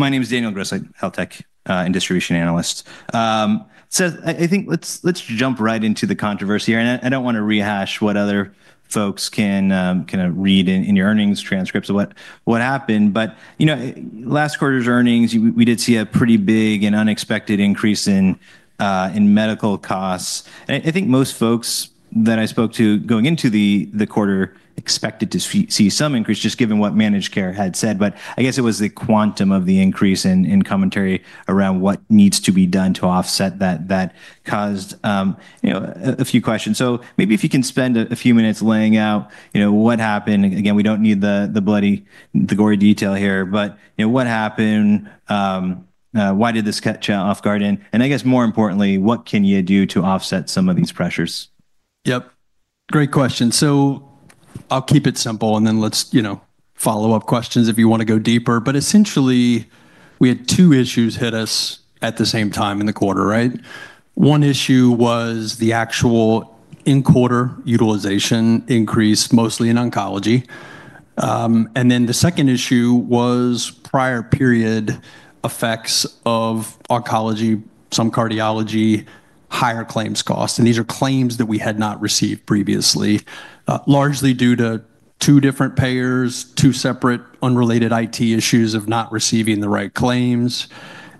My name is Daniel Grosslight, Health Tech and Distribution Analyst. Seth, I think let's jump right into the controversy here. I don't want to rehash what other folks can kind of read in your earnings transcripts of what happened. Last quarter's earnings, we did see a pretty big and unexpected increase in medical costs. I think most folks that I spoke to going into the quarter expected to see some increase, just given what managed care had said. I guess it was the quantum of the increase in commentary around what needs to be done to offset that caused a few questions. Maybe if you can spend a few minutes laying out what happened. Again, we don't need the bloody, the gory detail here. What happened? Why did this catch off guard? I guess, more importantly, what can you do to offset some of these pressures? Yep. Great question. So I'll keep it simple. And then let's follow-up questions if you want to go deeper. But essentially, we had two issues hit us at the same time in the quarter. One issue was the actual in-quarter utilization increase, mostly in oncology. And then the second issue was prior period effects of oncology, some cardiology, higher claims costs. And these are claims that we had not received previously, largely due to two different payers, two separate unrelated IT issues of not receiving the right claims.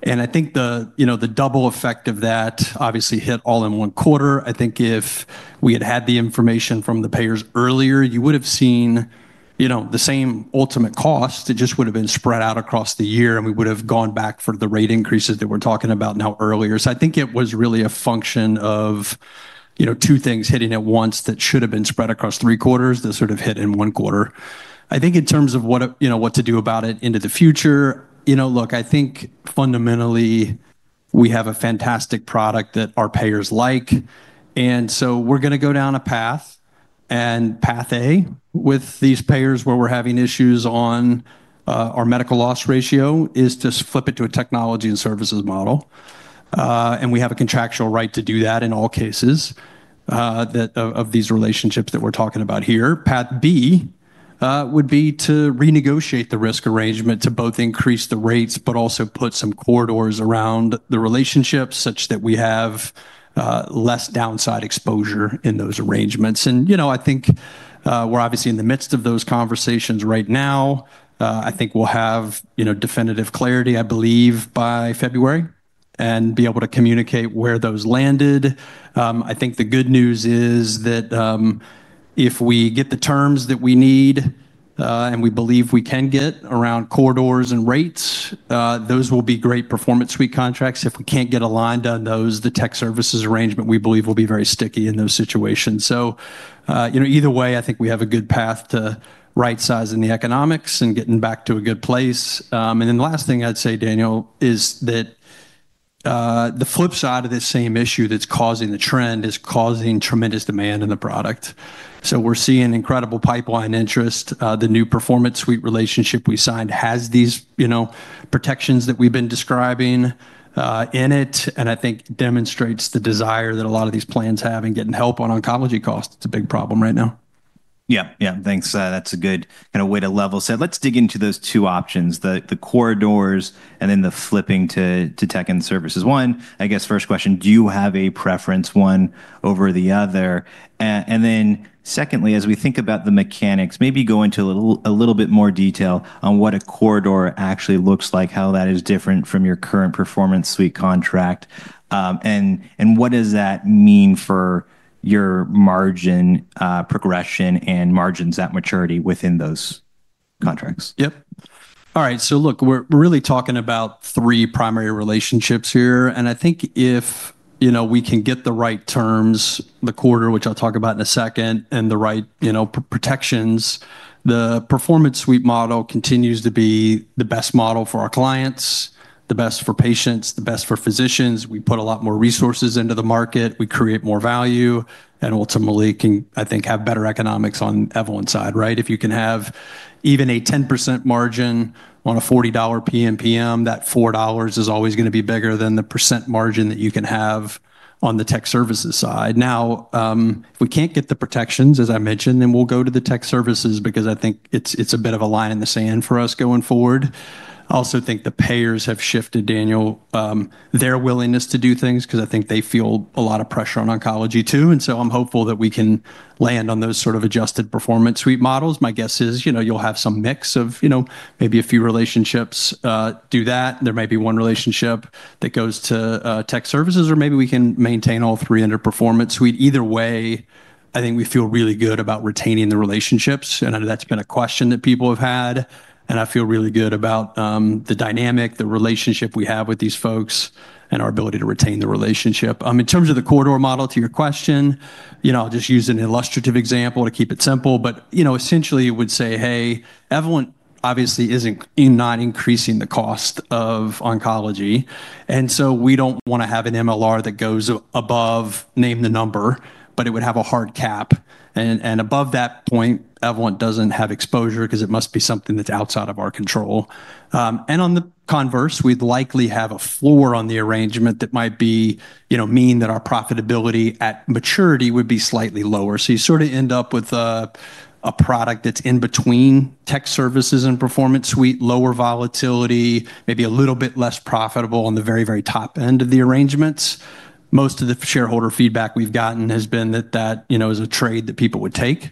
And I think the double effect of that obviously hit all in one quarter. I think if we had had the information from the payers earlier, you would have seen the same ultimate cost. It just would have been spread out across the year. And we would have gone back for the rate increases that we're talking about now earlier. So I think it was really a function of two things hitting at once that should have been spread across three quarters that sort of hit in one quarter. I think in terms of what to do about it into the future, look, I think fundamentally we have a fantastic product that our payers like. And so we're going to go down a path. And path A with these payers where we're having issues on our medical loss ratio is to flip it to a technology and services model. And we have a contractual right to do that in all cases of these relationships that we're talking about here. Path B would be to renegotiate the risk arrangement to both increase the rates, but also put some corridors around the relationships such that we have less downside exposure in those arrangements. And I think we're obviously in the midst of those conversations right now. I think we'll have definitive clarity, I believe, by February and be able to communicate where those landed. I think the good news is that if we get the terms that we need and we believe we can get around corridors and rates, those will be great Performance Suite contracts. If we can't get a line done on those, the Tech Services arrangement we believe will be very sticky in those situations. So either way, I think we have a good path to right-sizing the economics and getting back to a good place. And then the last thing I'd say, Daniel, is that the flip side of this same issue that's causing the trend is causing tremendous demand in the product. So we're seeing incredible pipeline interest. The new Performance Suite relationship we signed has these protections that we've been describing in it. And I think demonstrates the desire that a lot of these plans have in getting help on oncology costs. It's a big problem right now. Yeah. Yeah. Thanks. That's a good kind of way to level set. Let's dig into those two options, the corridors and then the flipping to Tech and Services. One, I guess first question, do you have a preference one over the other? And then secondly, as we think about the mechanics, maybe go into a little bit more detail on what a corridor actually looks like, how that is different from your current Performance Suite contract. And what does that mean for your margin progression and margins at maturity within those contracts? Yep. All right. So look, we're really talking about three primary relationships here. And I think if we can get the right terms the quarter, which I'll talk about in a second, and the right protections, the Performance Suite model continues to be the best model for our clients, the best for patients, the best for physicians. We put a lot more resources into the market. We create more value. And ultimately, I think have better economics on everyone's side. If you can have even a 10% margin on a $40 PMPM, that $4 is always going to be bigger than the percent margin that you can have on the Tech Services side. Now, if we can't get the protections, as I mentioned, then we'll go to the Tech Services because I think it's a bit of a line in the sand for us going forward. I also think the payers have shifted, Daniel, their willingness to do things because I think they feel a lot of pressure on oncology too. And so I'm hopeful that we can land on those sort of adjusted Performance Suite models. My guess is you'll have some mix of maybe a few relationships do that. There might be one relationship that goes to Tech Services. Or maybe we can maintain all three under Performance Suite. Either way, I think we feel really good about retaining the relationships. And that's been a question that people have had. And I feel really good about the dynamic, the relationship we have with these folks and our ability to retain the relationship. In terms of the corridor model, to your question, I'll just use an illustrative example to keep it simple. But essentially, it would say, "Hey, Evolent obviously is not increasing the cost of oncology." And so we don't want to have an MLR that goes above name the number, but it would have a hard cap. And above that point, Evolent doesn't have exposure because it must be something that's outside of our control. And on the converse, we'd likely have a floor on the arrangement that might mean that our profitability at maturity would be slightly lower. So you sort of end up with a product that's in between Tech Services and Performance Suite, lower volatility, maybe a little bit less profitable on the very, very top end of the arrangements. Most of the shareholder feedback we've gotten has been that that is a trade that people would take.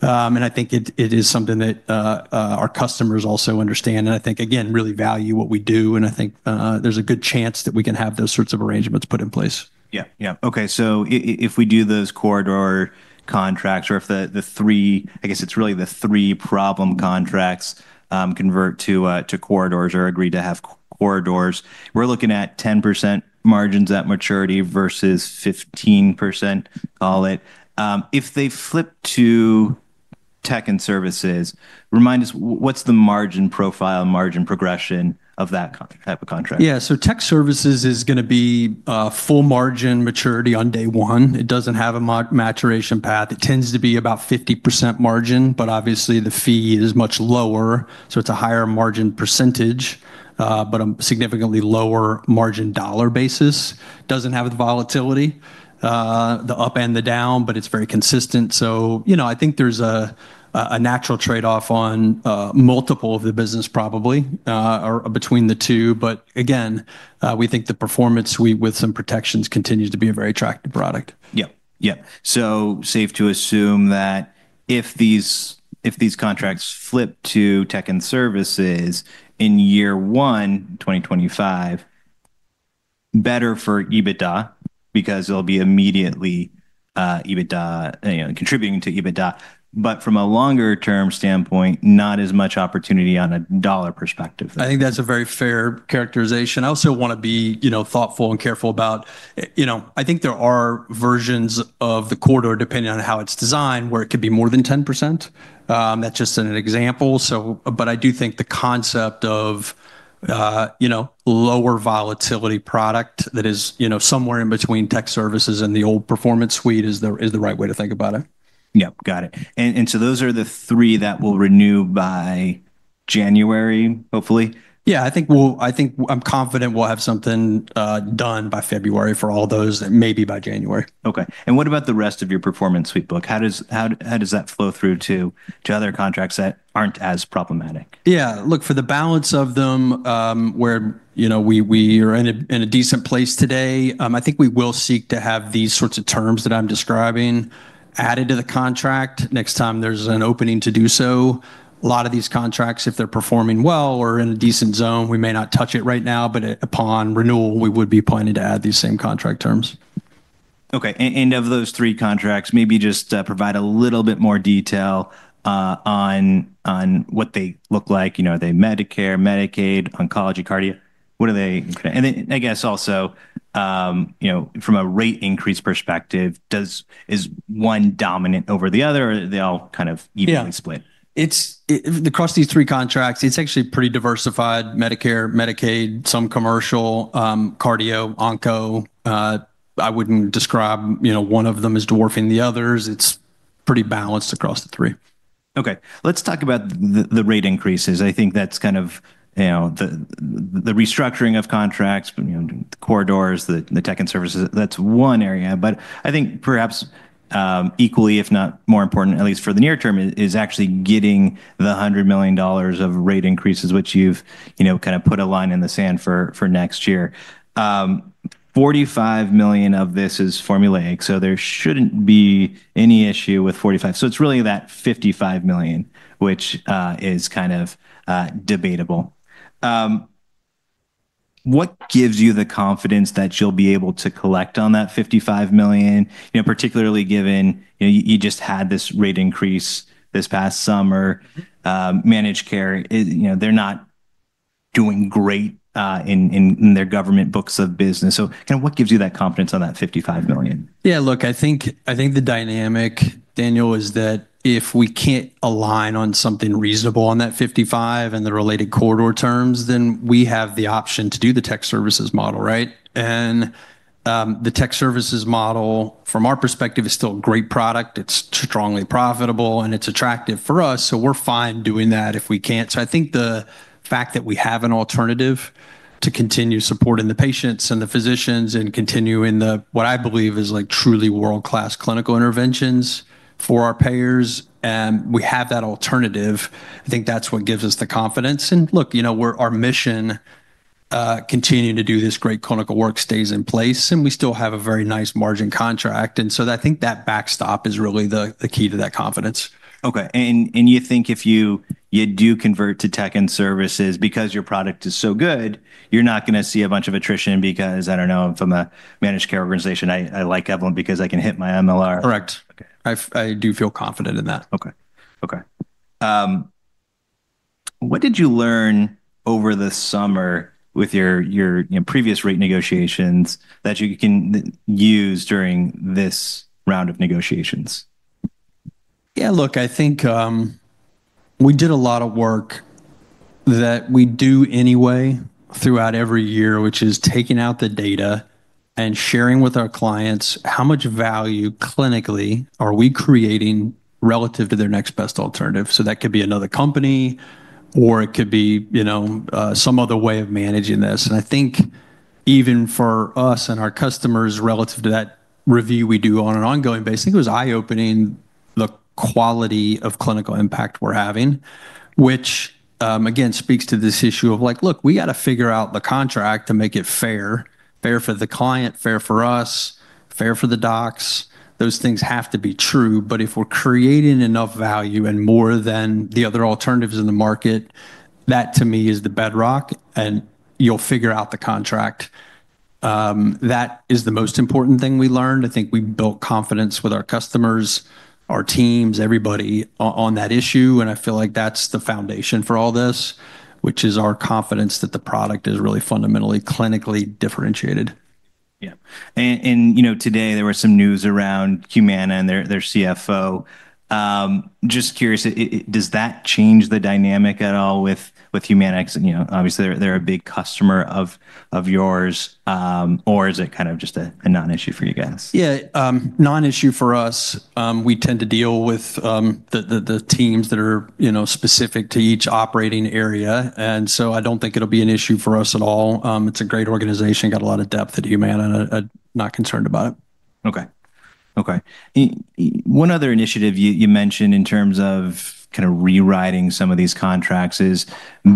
And I think it is something that our customers also understand. And I think, again, really value what we do. And I think there's a good chance that we can have those sorts of arrangements put in place. So if we do those corridor contracts or if the three, I guess it's really the three problem contracts convert to corridors or agree to have corridors, we're looking at 10% margins at maturity versus 15%, call it. If they flip to Tech and Services, remind us, what's the margin profile and margin progression of that type of contract? Yeah. So Tech Services is going to be full margin maturity on day one. It doesn't have a maturation path. It tends to be about 50% margin. But obviously, the fee is much lower. So it's a higher margin percentage, but a significantly lower margin dollar basis. Doesn't have the volatility, the up and the down, but it's very consistent. So I think there's a natural trade-off on multiple of the business probably between the two. But again, we think the Performance Suite with some protections continues to be a very attractive product. Yep. Yep. So safe to assume that if these contracts flip to Tech and Services in year one, 2025, better for EBITDA because it'll be immediately EBITDA, contributing to EBITDA. But from a longer-term standpoint, not as much opportunity on a dollar perspective. I think that's a very fair characterization. I also want to be thoughtful and careful about I think there are versions of the corridor depending on how it's designed where it could be more than 10%. That's just an example. But I do think the concept of lower volatility product that is somewhere in between Tech Services and the old Performance Suite is the right way to think about it. Yep. Got it. And so those are the three that will renew by January, hopefully? Yeah. I think I'm confident we'll have something done by February for all those that may be by January. OK. And what about the rest of your Performance Suite book? How does that flow through to other contracts that aren't as problematic? Yeah. Look, for the balance of them where we are in a decent place today, I think we will seek to have these sorts of terms that I'm describing added to the contract next time there's an opening to do so. A lot of these contracts, if they're performing well or in a decent zone, we may not touch it right now. But upon renewal, we would be planning to add these same contract terms. OK. And of those three contracts, maybe just provide a little bit more detail on what they look like. Are they Medicare, Medicaid, oncology, cardio? What are they? And then I guess also, from a rate increase perspective, is one dominant over the other? Or are they all kind of evenly split? Yeah. Across these three contracts, it's actually pretty diversified. Medicare, Medicaid, some commercial, cardio, onco. I wouldn't describe one of them as dwarfing the others. It's pretty balanced across the three. OK. Let's talk about the rate increases. I think that's kind of the restructuring of contracts, the corridors, the Tech and Services. That's one area. But I think perhaps equally, if not more important, at least for the near term, is actually getting the $100 million of rate increases, which you've kind of put a line in the sand for next year. $45 million of this is [Formula 8]. So there shouldn't be any issue with $45 million. So it's really that $55 million, which is kind of debatable. What gives you the confidence that you'll be able to collect on that $55 million, particularly given you just had this rate increase this past summer? Managed care, they're not doing great in their government books of business. So kind of what gives you that confidence on that $55 million? Yeah. Look, I think the dynamic, Daniel, is that if we can't align on something reasonable on that $55 million and the related corridor terms, then we have the option to do the Tech Services model. And the Tech Services model, from our perspective, is still a great product. It's strongly profitable. And it's attractive for us. So we're fine doing that if we can't. So I think the fact that we have an alternative to continue supporting the patients and the physicians and continuing what I believe is truly world-class clinical interventions for our payers, we have that alternative. I think that's what gives us the confidence. And look, our mission, continue to do this great clinical work, stays in place. And we still have a very nice margin contract. And so I think that backstop is really the key to that confidence. OK. And you think if you do convert to Tech and Services because your product is so good, you're not going to see a bunch of attrition because, I don't know, from a managed care organization, I like Evolent because I can hit my MLR? Correct. I do feel confident in that. OK. What did you learn over the summer with your previous rate negotiations that you can use during this round of negotiations? Yeah. Look, I think we did a lot of work that we do anyway throughout every year, which is taking out the data and sharing with our clients how much value clinically are we creating relative to their next best alternative. So that could be another company, or it could be some other way of managing this, and I think even for us and our customers relative to that review we do on an ongoing basis, I think it was eye-opening the quality of clinical impact we're having, which, again, speaks to this issue of like, look, we got to figure out the contract to make it fair, fair for the client, fair for us, fair for the docs. Those things have to be true, but if we're creating enough value and more than the other alternatives in the market, that to me is the bedrock. And you'll figure out the contract. That is the most important thing we learned. I think we built confidence with our customers, our teams, everybody on that issue. And I feel like that's the foundation for all this, which is our confidence that the product is really fundamentally clinically differentiated. Yeah. And today, there was some news around Humana and their CFO. Just curious, does that change the dynamic at all with Humana? Obviously, they're a big customer of yours. Or is it kind of just a non-issue for you guys? Yeah. Non-issue for us. We tend to deal with the teams that are specific to each operating area. And so I don't think it'll be an issue for us at all. It's a great organization. Got a lot of depth at Humana. Not concerned about it. OK. One other initiative you mentioned in terms of kind of rewriting some of these contracts is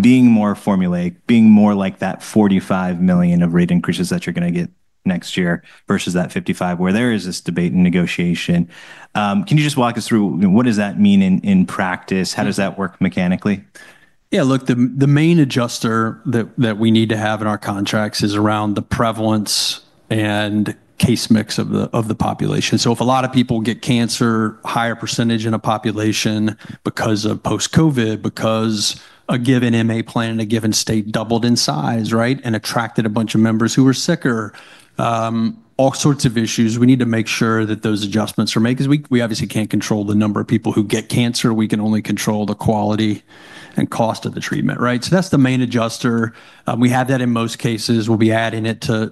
being more [Formula 8], being more like that $45 million of rate increases that you're going to get next year versus that $55 million where there is this debate and negotiation. Can you just walk us through what does that mean in practice? How does that work mechanically? Yeah. Look, the main adjuster that we need to have in our contracts is around the prevalence and case mix of the population. So if a lot of people get cancer, higher percentage in a population because of post-COVID, because a given MA plan in a given state doubled in size and attracted a bunch of members who were sicker, all sorts of issues, we need to make sure that those adjustments are made. Because we obviously can't control the number of people who get cancer. We can only control the quality and cost of the treatment. So that's the main adjuster. We have that in most cases. We'll be adding it to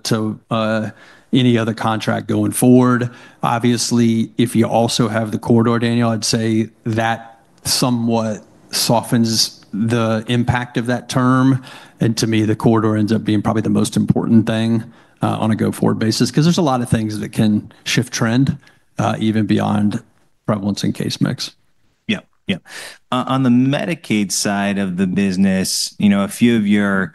any other contract going forward. Obviously, if you also have the corridor, Daniel, I'd say that somewhat softens the impact of that term. And to me, the corridor ends up being probably the most important thing on a go-forward basis. Because there's a lot of things that can shift trend even beyond prevalence and case mix. Yep. Yep. On the Medicaid side of the business, a few of your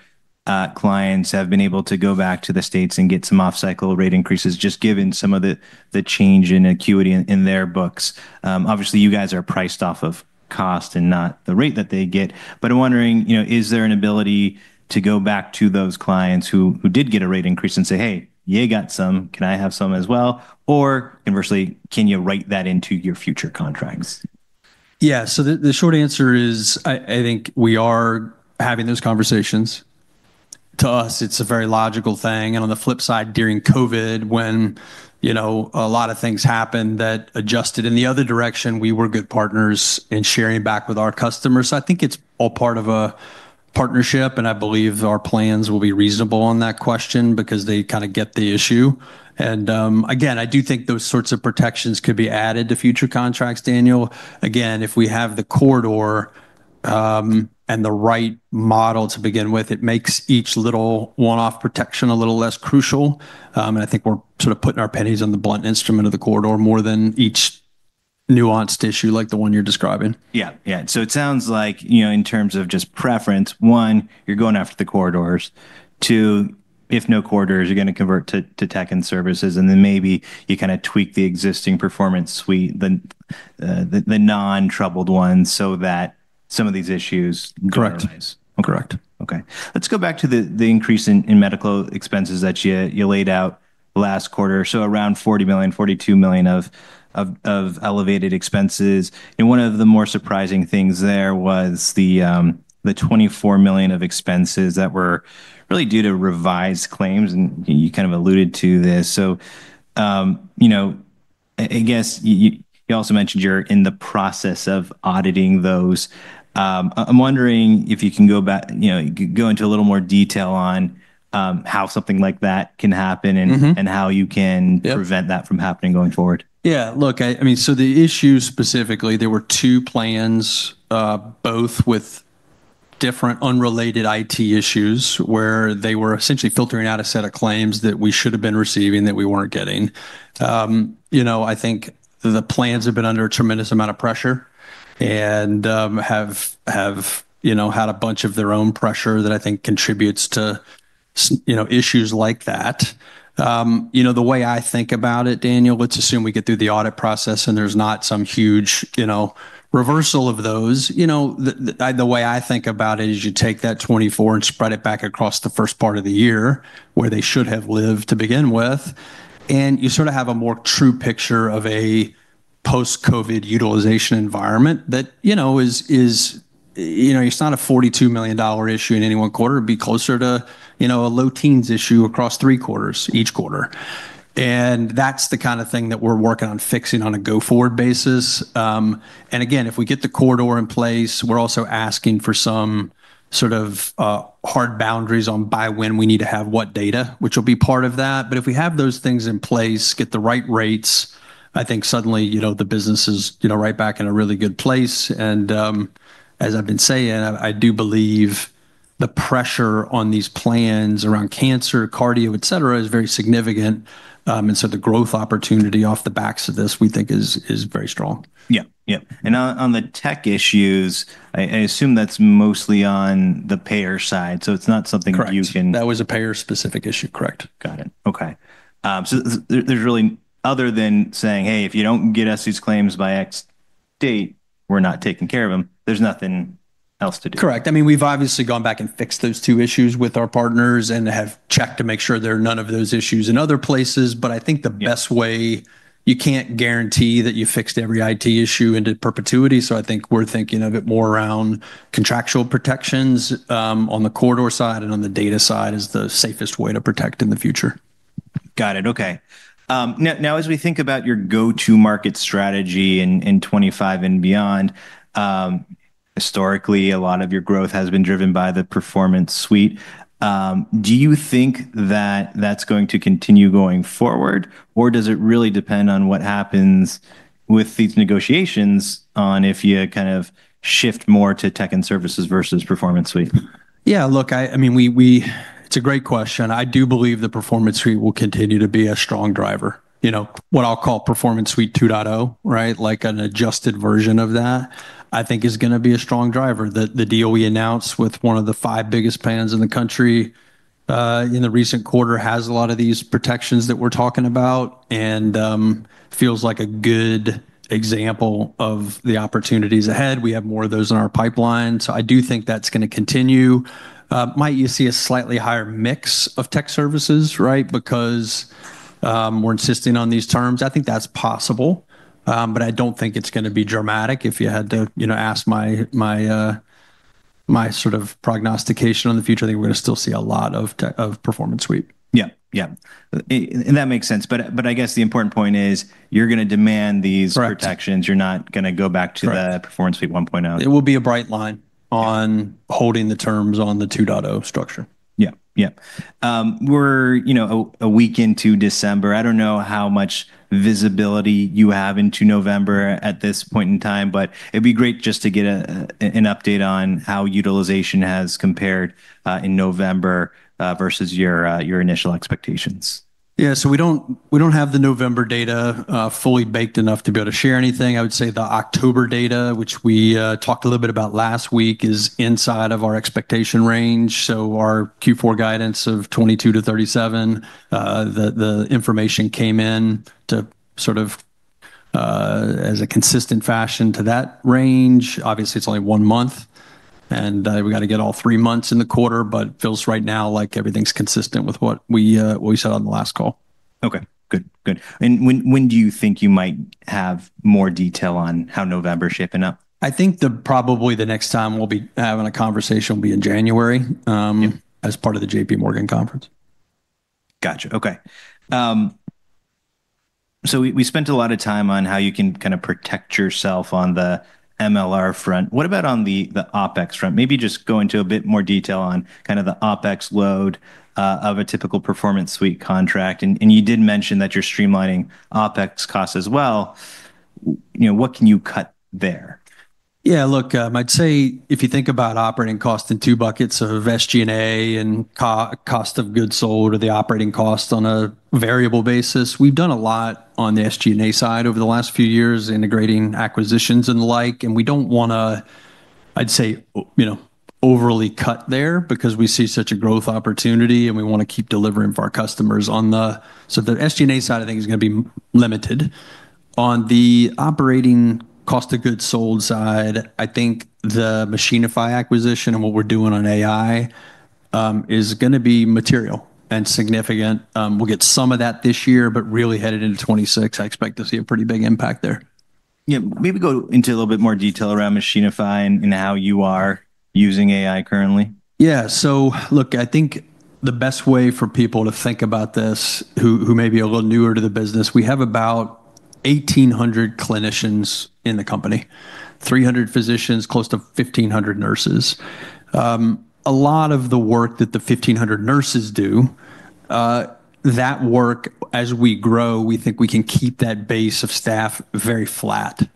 clients have been able to go back to the states and get some off-cycle rate increases just given some of the change in acuity in their books. Obviously, you guys are priced off of cost and not the rate that they get. But I'm wondering, is there an ability to go back to those clients who did get a rate increase and say, hey, you got some. Can I have some as well? Or conversely, can you write that into your future contracts? Yeah. So the short answer is I think we are having those conversations. To us, it's a very logical thing. And on the flip side, during COVID, when a lot of things happened that adjusted in the other direction, we were good partners in sharing back with our customers. So I think it's all part of a partnership. And I believe our plans will be reasonable on that question because they kind of get the issue. And again, I do think those sorts of protections could be added to future contracts, Daniel. Again, if we have the corridor and the right model to begin with, it makes each little one-off protection a little less crucial. And I think we're sort of putting our bets on the blunt instrument of the corridor more than each nuanced issue like the one you're describing. Yeah. Yeah. So it sounds like in terms of just preference, one, you're going after the corridors. Two, if no corridors, you're going to convert to Tech and Services. And then maybe you kind of tweak the existing Performance Suite, the non-troubled ones so that some of these issues go away. Correct. Correct. OK. Let's go back to the increase in medical expenses that you laid out last quarter. So around $40 million-$42 million of elevated expenses. And one of the more surprising things there was the $24 million of expenses that were really due to revised claims. And you kind of alluded to this. So I guess you also mentioned you're in the process of auditing those. I'm wondering if you can go into a little more detail on how something like that can happen and how you can prevent that from happening going forward? Yeah. Look, I mean, so the issue specifically, there were two plans, both with different unrelated IT issues where they were essentially filtering out a set of claims that we should have been receiving that we weren't getting. I think the plans have been under a tremendous amount of pressure and have had a bunch of their own pressure that I think contributes to issues like that. The way I think about it, Daniel, let's assume we get through the audit process and there's not some huge reversal of those. The way I think about it is you take that $24 million and spread it back across the first part of the year where they should have lived to begin with, and you sort of have a more true picture of a post-COVID utilization environment that it's not a $42 million issue in any one quarter. It'd be closer to a low-teens issue across three quarters each quarter. And that's the kind of thing that we're working on fixing on a go-forward basis. And again, if we get the corridor in place, we're also asking for some sort of hard boundaries on by when we need to have what data, which will be part of that. But if we have those things in place, get the right rates, I think suddenly the business is right back in a really good place. And as I've been saying, I do believe the pressure on these plans around cancer, cardio, et cetera, is very significant. And so the growth opportunity off the backs of this, we think, is very strong. Yeah. Yeah. And on the tech issues, I assume that's mostly on the payer side. So it's not something that you can. Correct. That was a payer-specific issue. Correct. Got it. OK. So there's really, other than saying, hey, if you don't get us these claims by X date, we're not taking care of them, there's nothing else to do. Correct. I mean, we've obviously gone back and fixed those two issues with our partners and have checked to make sure there are none of those issues in other places. But I think the best way you can't guarantee that you fixed every IT issue into perpetuity. So I think we're thinking of it more around contractual protections on the corridor side and on the data side as the safest way to protect in the future. Got it. OK. Now, as we think about your go-to-market strategy in 2025 and beyond, historically, a lot of your growth has been driven by the Performance Suite. Do you think that that's going to continue going forward? Or does it really depend on what happens with these negotiations on if you kind of shift more to Tech and Services versus Performance Suite? Yeah. Look, I mean, it's a great question. I do believe the Performance Suite will continue to be a strong driver. What I'll call Performance Suite 2.0, like an adjusted version of that, I think is going to be a strong driver. The deal we announced with one of the five biggest plans in the country in the recent quarter has a lot of these protections that we're talking about and feels like a good example of the opportunities ahead. We have more of those in our pipeline. So I do think that's going to continue. Might you see a slightly higher mix of Tech Services because we're insisting on these terms? I think that's possible. But I don't think it's going to be dramatic. If you had to ask my sort of prognostication on the future, I think we're going to still see a lot of Performance Suite. Yeah. Yeah. And that makes sense. But I guess the important point is you're going to demand these protections. You're not going to go back to the Performance Suite 1.0. It will be a bright line on holding the terms on the 2.0 structure. Yeah. Yeah. We're a week into December. I don't know how much visibility you have into November at this point in time. But it'd be great just to get an update on how utilization has compared in November versus your initial expectations. Yeah. So we don't have the November data fully baked enough to be able to share anything. I would say the October data, which we talked a little bit about last week, is inside of our expectation range. So our Q4 guidance of $22 million-$37 million, the information came in as a consistent fashion to that range. Obviously, it's only one month. And we got to get all three months in the quarter. But feels right now like everything's consistent with what we said on the last call. OK. Good. Good. And when do you think you might have more detail on how November's shaping up? I think probably the next time we'll be having a conversation will be in January as part of the JPMorgan conference. Gotcha. OK. So we spent a lot of time on how you can kind of protect yourself on the MLR front. What about on the OPEX front? Maybe just go into a bit more detail on kind of the OPEX load of a typical Performance Suite contract. And you did mention that you're streamlining OPEX costs as well. What can you cut there? Yeah. Look, I'd say if you think about operating costs in two buckets of SG&A and cost of goods sold or the operating costs on a variable basis, we've done a lot on the SG&A side over the last few years integrating acquisitions and the like. And we don't want to, I'd say, overly cut there because we see such a growth opportunity. And we want to keep delivering for our customers. So the SG&A side, I think, is going to be limited. On the operating cost of goods sold side, I think the Machinify acquisition and what we're doing on AI is going to be material and significant. We'll get some of that this year, but really headed into 2026, I expect to see a pretty big impact there. Yeah. Maybe go into a little bit more detail around Machinify and how you are using AI currently? Yeah. So look, I think the best way for people to think about this who may be a little newer to the business, we have about 1,800 clinicians in the company, 300 physicians, close to 1,500 nurses. A lot of the work that the 1,500 nurses do, that work, as we grow, we think we can keep that base of staff very flat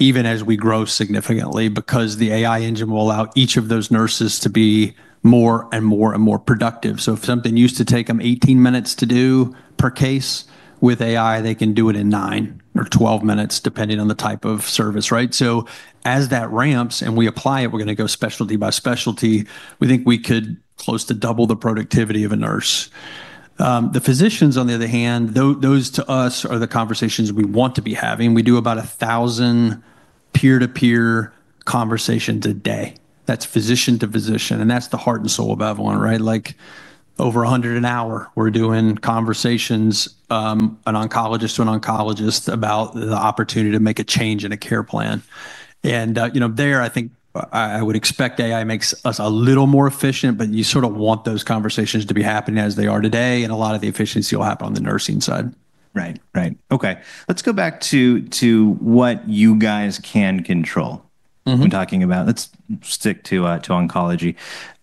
even as we grow significantly because the AI engine will allow each of those nurses to be more and more and more productive. So if something used to take them 18 minutes to do per case with AI, they can do it in 9 or 12 minutes depending on the type of service. So as that ramps and we apply it, we're going to go specialty by specialty. We think we could close to double the productivity of a nurse. The physicians, on the other hand, those to us are the conversations we want to be having. We do about 1,000 peer-to-peer conversations a day. That's physician to physician. And that's the heart and soul of Evolent. Over 100 an hour, we're doing conversations on an oncologist to an oncologist about the opportunity to make a change in a care plan. And there, I think I would expect AI makes us a little more efficient. But you sort of want those conversations to be happening as they are today. And a lot of the efficiency will happen on the nursing side. Right. Right. OK. Let's go back to what you guys can control. We're talking about, let's stick to oncology.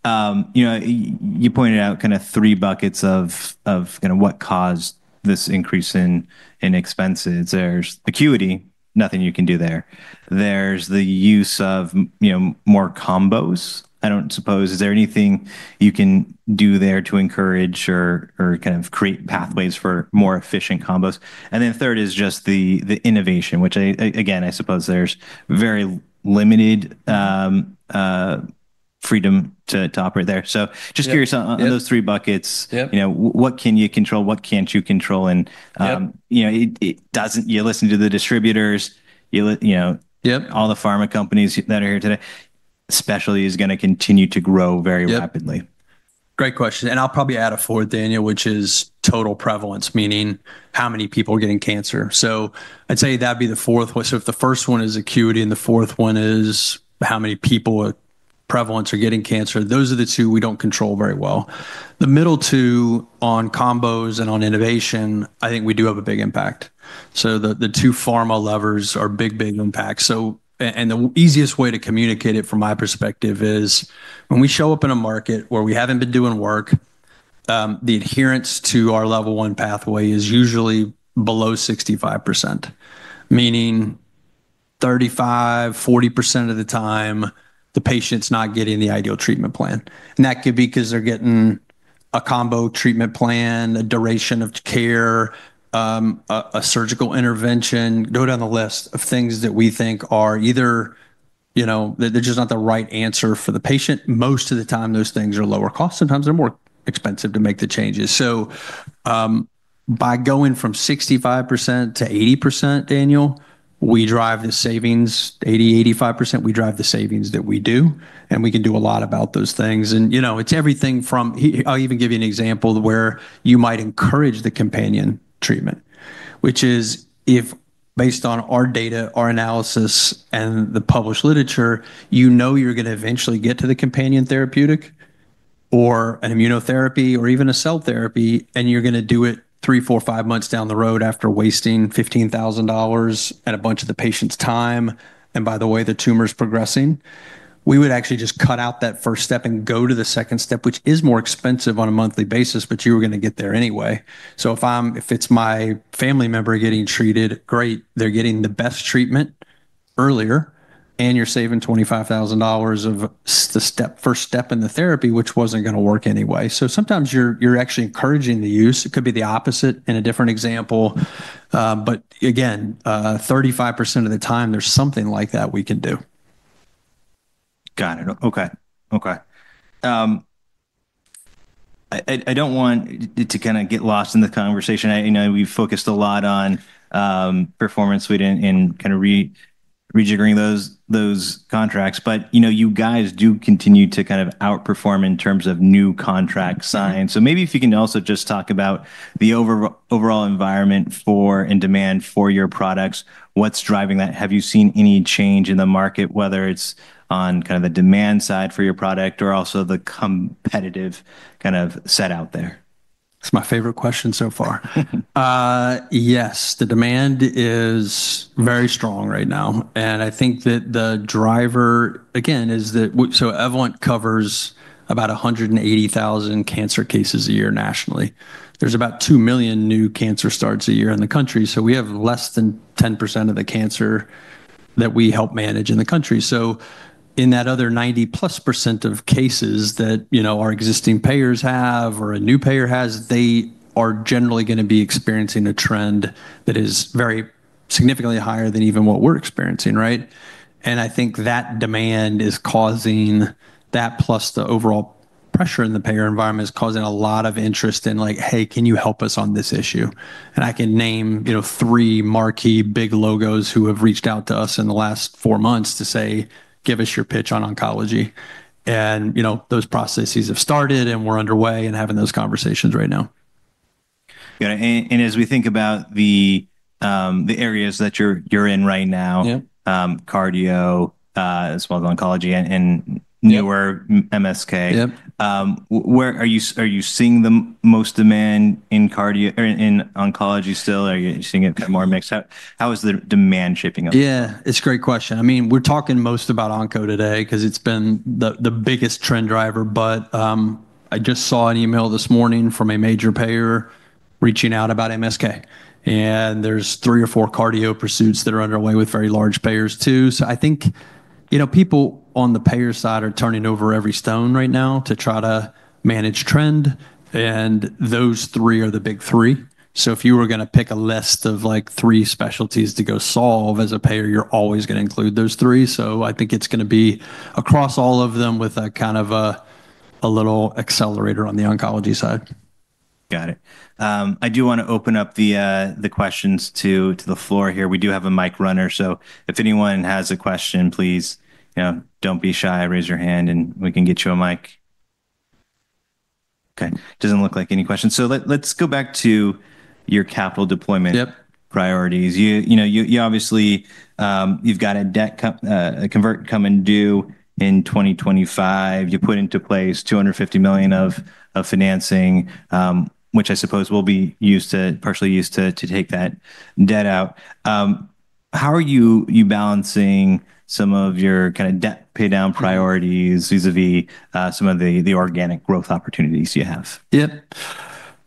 You pointed out kind of three buckets of kind of what caused this increase in expenses. There's acuity, nothing you can do there. There's the use of more combos. I don't suppose, is there anything you can do there to encourage or kind of create pathways for more efficient combos. And then third is just the innovation, which, again, I suppose there's very limited freedom to operate there. So just curious on those three buckets, what can you control? What can't you control? And you listen to the distributors, all the pharma companies that are here today. Specialty is going to continue to grow very rapidly. Great question. And I'll probably add a fourth, Daniel, which is total prevalence, meaning how many people are getting cancer. So I'd say that'd be the fourth. So if the first one is acuity and the fourth one is how many people with prevalence are getting cancer, those are the two we don't control very well. The middle two on combos and on innovation, I think we do have a big impact. So the two pharma levers are big, big impacts. And the easiest way to communicate it from my perspective is when we show up in a market where we haven't been doing work, the adherence to our level one pathway is usually below 65%, meaning 35%-40% of the time the patient's not getting the ideal treatment plan. That could be because they're getting a combo treatment plan, a duration of care, a surgical intervention. Go down the list of things that we think are either they're just not the right answer for the patient. Most of the time, those things are lower cost. Sometimes they're more expensive to make the changes. So by going from 65% to 80%, Daniel, we drive the savings. 80%, 85%, we drive the savings that we do. And we can do a lot about those things. And it's everything from. I'll even give you an example where you might encourage the companion treatment, which is if based on our data, our analysis, and the published literature, you know you're going to eventually get to the companion therapeutic or an immunotherapy or even a cell therapy, and you're going to do it three, four, five months down the road after wasting $15,000 and a bunch of the patient's time. And by the way, the tumor's progressing. We would actually just cut out that first step and go to the second step, which is more expensive on a monthly basis, but you were going to get there anyway. So if it's my family member getting treated, great. They're getting the best treatment earlier. And you're saving $25,000 of the first step in the therapy, which wasn't going to work anyway. So sometimes you're actually encouraging the use. It could be the opposite in a different example. But again, 35% of the time, there's something like that we can do. Got it. OK. OK. I don't want to kind of get lost in the conversation. We've focused a lot on Performance Suite and kind of rejiggering those contracts. But you guys do continue to kind of outperform in terms of new contract signs. So maybe if you can also just talk about the overall environment for and demand for your products, what's driving that? Have you seen any change in the market, whether it's on kind of the demand side for your product or also the competitive kind of set out there? That's my favorite question so far. Yes. The demand is very strong right now. And I think that the driver, again, is that so Evolent covers about 180,000 cancer cases a year nationally. There's about 2 million new cancer starts a year in the country. So we have less than 10% of the cancer that we help manage in the country. So in that other 90+% of cases that our existing payers have or a new payer has, they are generally going to be experiencing a trend that is very significantly higher than even what we're experiencing. And I think that demand is causing that plus the overall pressure in the payer environment is causing a lot of interest in like, hey, can you help us on this issue? I can name three marquee big logos who have reached out to us in the last four months to say, "Give us your pitch on oncology." Those processes have started, and we're underway and having those conversations right now. And as we think about the areas that you're in right now, cardio as well as oncology and newer MSK, where are you seeing the most demand in oncology still? Are you seeing it kind of more mixed? How is the demand shaping up? Yeah. It's a great question. I mean, we're talking most about oncology today because it's been the biggest trend driver. But I just saw an email this morning from a major payer reaching out about MSK. And there's three or four cardio pursuits that are underway with very large payers too. So I think people on the payer side are turning over every stone right now to try to manage trend. And those three are the big three. So if you were going to pick a list of three specialties to go solve as a payer, you're always going to include those three. So I think it's going to be across all of them with a kind of a little accelerator on the oncology side. Got it. I do want to open up the questions to the floor here. We do have a mic runner. So if anyone has a question, please don't be shy. Raise your hand and we can get you a mic. OK. Doesn't look like any questions. So let's go back to your capital deployment priorities. You obviously have got a convertible debt coming due in 2025. You put into place $250 million of financing, which I suppose will be partially used to take that debt out. How are you balancing some of your kind of debt pay down priorities vis-à-vis some of the organic growth opportunities you have? Yep.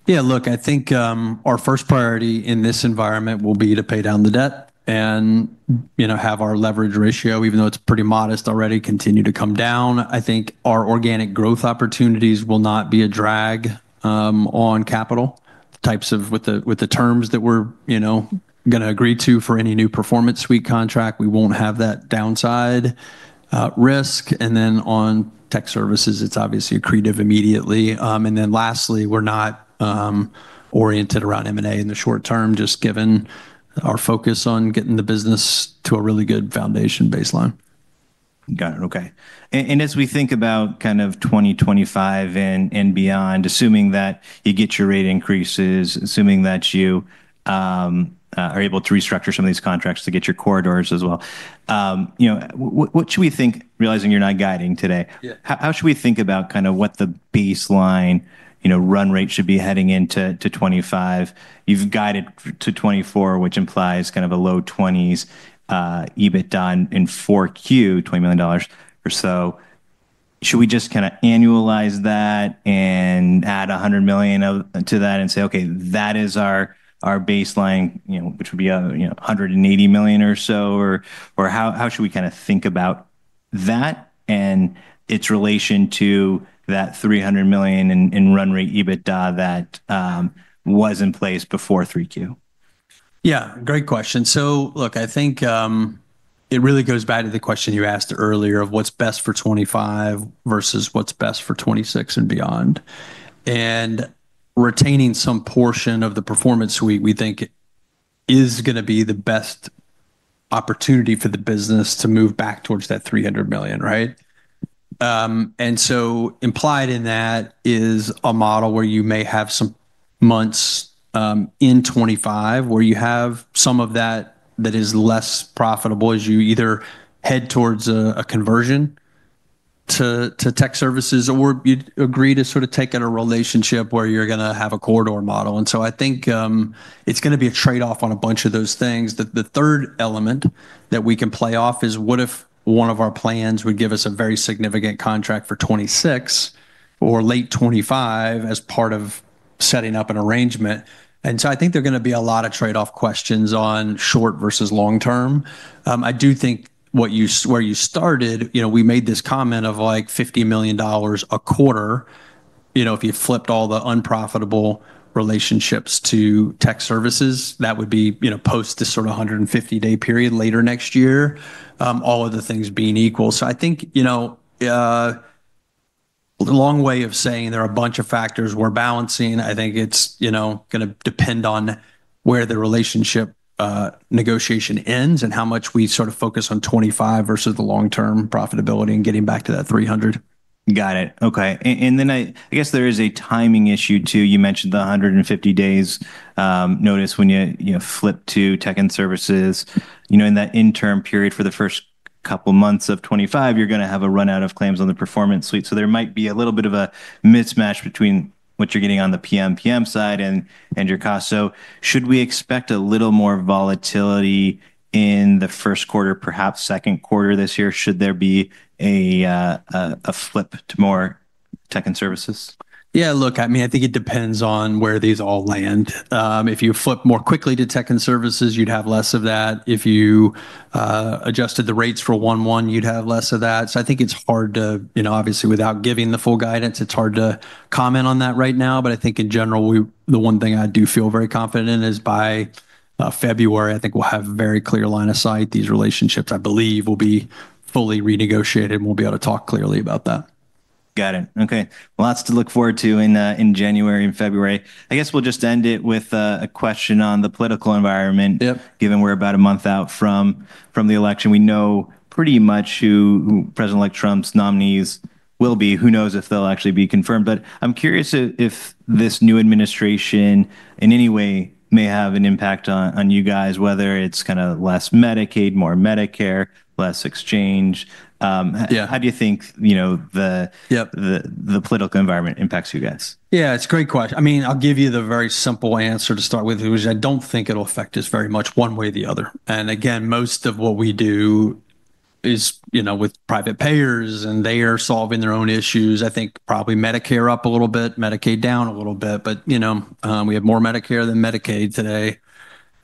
Yeah. Look, I think our first priority in this environment will be to pay down the debt and have our leverage ratio, even though it's pretty modest already, continue to come down. I think our organic growth opportunities will not be a drag on capital. With the terms that we're going to agree to for any new Performance Suite contract, we won't have that downside risk. And then on Tech Services, it's obviously accretive immediately. And then lastly, we're not oriented around M&A in the short term, just given our focus on getting the business to a really good foundation baseline. Got it. OK. And as we think about kind of 2025 and beyond, assuming that you get your rate increases, assuming that you are able to restructure some of these contracts to get your corridors as well, what should we think, realizing you're not guiding today? How should we think about kind of what the baseline run rate should be heading into 2025? You've guided to 2024, which implies kind of a low 20s, EBITDA in 4Q, $20 million or so. Should we just kind of annualize that and add $100 million to that and say, OK, that is our baseline, which would be $180 million or so? Or how should we kind of think about that and its relation to that $300 million in run rate EBITDA that was in place before 3Q? Yeah. Great question. So look, I think it really goes back to the question you asked earlier of what's best for 2025 versus what's best for 2026 and beyond. Retaining some portion of the Performance Suite, we think, is going to be the best opportunity for the business to move back towards that $300 million. Implied in that is a model where you may have some months in 2025 where you have some of that that is less profitable as you either head towards a conversion to Tech Services or you agree to sort of take in a relationship where you're going to have a corridor model. I think it's going to be a trade-off on a bunch of those things. The third element that we can play off is what if one of our plans would give us a very significant contract for 2026 or late 2025 as part of setting up an arrangement. And so I think there are going to be a lot of trade-off questions on short versus long term. I do think where you started, we made this comment of like $50 million a quarter. If you flipped all the unprofitable relationships to Tech services, that would be post this sort of 150-day period later next year, all of the things being equal. So I think a long way of saying there are a bunch of factors we're balancing. I think it's going to depend on where the relationship negotiation ends and how much we sort of focus on 2025 versus the long-term profitability and getting back to that $300 million. Got it. OK. And then I guess there is a timing issue too. You mentioned the 150 days notice when you flip to Tech and Services. In that interim period for the first couple of months of 2025, you're going to have a run-out of claims on the Performance Suite. So there might be a little bit of a mismatch between what you're getting on the PMPM side and your cost. So should we expect a little more volatility in the first quarter, perhaps second quarter this year? Should there be a flip to more Tech and Services? Yeah. Look, I mean, I think it depends on where these all land. If you flip more quickly to Tech and Services, you'd have less of that. If you adjusted the rates for 1/1, you'd have less of that. So, I think it's hard to, obviously, without giving the full guidance, comment on that right now. But I think in general, the one thing I do feel very confident in is by February, I think we'll have a very clear line of sight. These relationships, I believe, will be fully renegotiated, and we'll be able to talk clearly about that. Got it. OK. Lots to look forward to in January and February. I guess we'll just end it with a question on the political environment, given we're about a month out from the election. We know pretty much who President-elect Trump's nominees will be. Who knows if they'll actually be confirmed? But I'm curious if this new administration in any way may have an impact on you guys, whether it's kind of less Medicaid, more Medicare, less exchange. How do you think the political environment impacts you guys? Yeah. It's a great question. I mean, I'll give you the very simple answer to start with, which I don't think it'll affect us very much one way or the other. And again, most of what we do is with private payers. And they are solving their own issues. I think probably Medicare up a little bit, Medicaid down a little bit. But we have more Medicare than Medicaid today.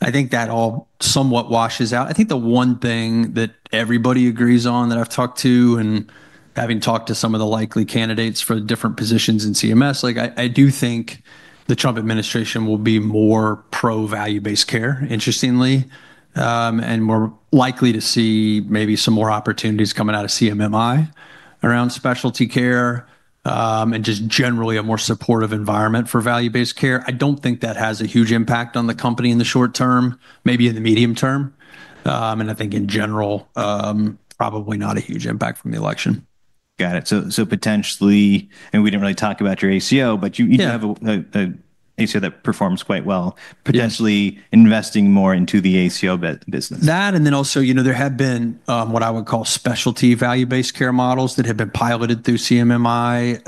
I think that all somewhat washes out. I think the one thing that everybody agrees on that I've talked to and having talked to some of the likely candidates for different positions in CMS, I do think the Trump administration will be more pro-value-based care, interestingly, and more likely to see maybe some more opportunities coming out of CMMI around specialty care and just generally a more supportive environment for value-based care. I don't think that has a huge impact on the company in the short term, maybe in the medium term and I think in general, probably not a huge impact from the election. Got it. So potentially, and we didn't really talk about your ACO, but you do have an ACO that performs quite well, potentially investing more into the ACO business. That. And then also, there have been what I would call specialty value-based care models that have been piloted through CMMI.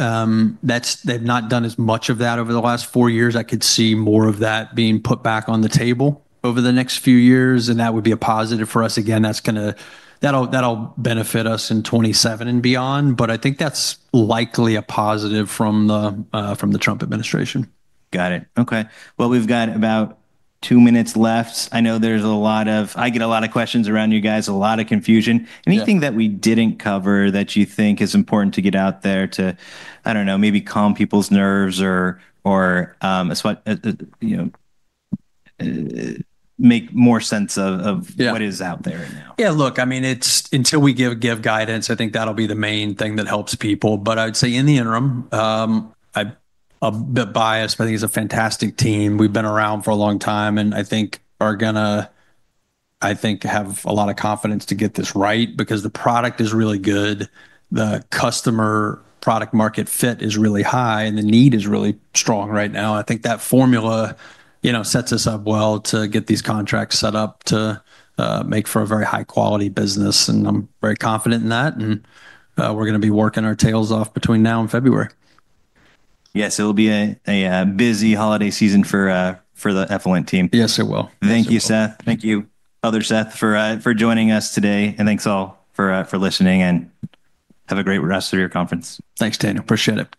They've not done as much of that over the last four years. I could see more of that being put back on the table over the next few years. And that would be a positive for us. Again, that'll benefit us in 2027 and beyond. But I think that's likely a positive from the Trump administration. Got it. OK. Well, we've got about two minutes left. I know there's a lot. I get a lot of questions around you guys, a lot of confusion. Anything that we didn't cover that you think is important to get out there to, I don't know, maybe calm people's nerves or make more sense of what is out there right now? Yeah. Look, I mean, until we give guidance, I think that'll be the main thing that helps people. But I'd say in the interim, I'm a bit biased, but I think it's a fantastic team. We've been around for a long time. And I think we're going to, I think, have a lot of confidence to get this right because the product is really good. The customer product-market fit is really high. And the need is really strong right now. I think that formula sets us up well to get these contracts set up to make for a very high-quality business. And I'm very confident in that. And we're going to be working our tails off between now and February. Yes. It'll be a busy holiday season for the Evolent team. Yes, it will. Thank you, Seth. Thank you. [Thanks] Seth, for joining us today. Thanks, all, for listening. Have a great rest of your conference. Thanks, Daniel. Appreciate it.